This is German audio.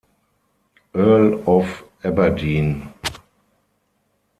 Earl of Aberdeen.